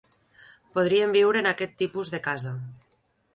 Podríem viure en aquest tipus de casa.